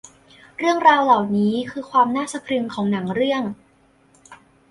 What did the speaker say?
เรื่องราวเหล่านี้คือความน่าสะพรึงของหนังเรื่อง